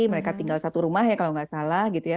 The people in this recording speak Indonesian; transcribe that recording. mereka tinggal satu rumah ya kalau nggak salah gitu ya